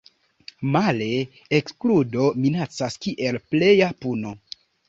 Male, ekskludo minacas kiel pleja puno.